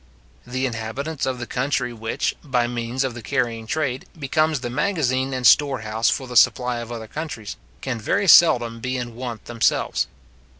The inhabitants of the country which, by means of the carrying trade, becomes the magazine and storehouse for the supply of other countries, can very seldom be in want themselves.